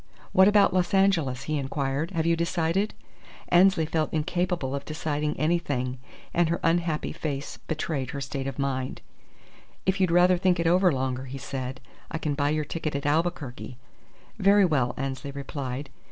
"What about Los Angeles?" he inquired. "Have you decided?" Annesley felt incapable of deciding anything, and her unhappy face betrayed her state of mind. "If you'd rather think it over longer," he said, "I can buy your ticket at Albuquerque." "Very well," Annesley replied.